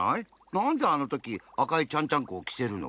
なんであのとき赤いちゃんちゃんこをきせるの？